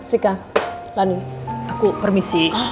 rika lani aku permisi